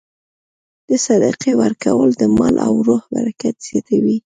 د صدقې ورکول د مال او روح برکت زیاتوي.